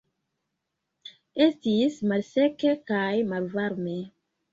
Estis malseke kaj malvarme.